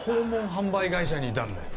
販売会社にいたんだよ